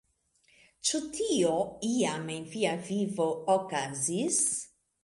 Ĉu tio, iam en via vivo, okazis?